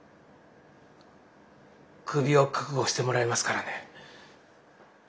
クビを覚悟してもらいますからね。